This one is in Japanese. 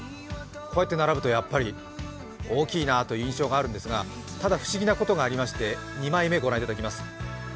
こうやって並ぶとやっぱり大きいなという印象があるんですが、ただ不思議なことがありまして２枚目御覧いただきます。